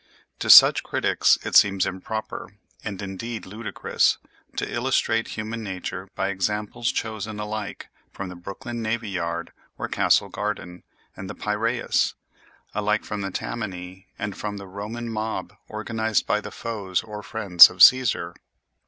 To such critics it seems improper, and indeed ludicrous, to illustrate human nature by examples chosen alike from the Brooklyn Navy Yard or Castle Garden and the Piræus, alike from Tammany and from the Roman mob organized by the foes or friends of Cæsar.